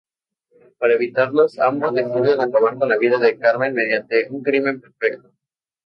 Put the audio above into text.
Para evitarlo, ambos deciden acabar con la vida de Carmen mediante un crimen perfecto.